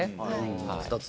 ２つ。